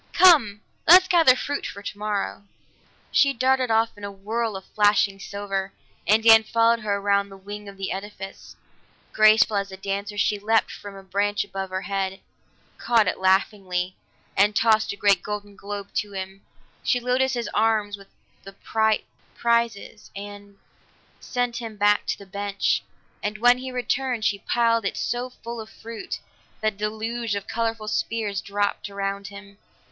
"Come! Let's gather fruit for tomorrow." She darted off in a whirl of flashing silver, and Dan followed her around the wing of the edifice. Graceful as a dancer she leaped for a branch above her head, caught it laughingly, and tossed a great golden globe to him. She loaded his arms with the bright prizes and sent him back to the bench, and when he returned, she piled it so full of fruit that a deluge of colorful spheres dropped around him.